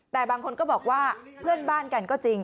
แต่บางคนก็บอกว่าเพื่อนบ้านกันก็จริง